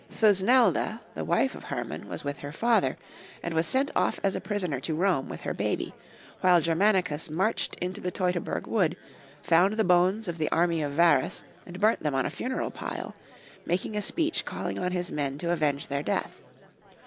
Thus neJda, the wife of Herman, was with her father, 36 Young Folks* History of Germany. and was sent off as a prisoner to Rome with her baby ; while Germanicus marched into the Teuto berg wood, found the bones of the army of Varus, and burnt them on a funeral pile, making a speech calling on his men to avenge their death.